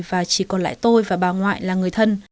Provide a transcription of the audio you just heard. và chỉ còn lại tôi và bà ngoại là người thân